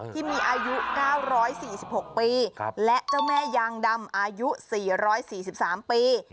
ที่มีอายุ๙๔๖ปีและเจ้าแม่ยางดำอายุ๔๔๓ปี